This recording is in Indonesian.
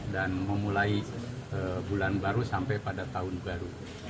dan memulai bulan baru sampai pada tahun baru